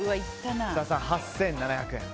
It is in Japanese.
設楽さん、８７００円。